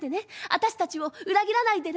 私たちを裏切らないでね。